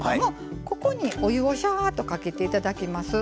ここにお湯をしゃーっとかけていただきます。